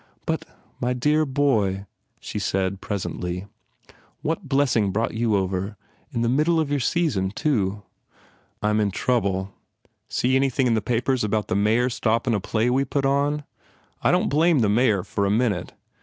"But, my dear boy," she said, presently, "what blessing brought you over? In the middle of your season, too." "I m in trouble. See anything in the papers about the Mayor stoppin a play we put on? I don t blame the Mayor, for a minute.